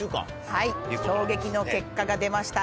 はい衝撃の結果が出ました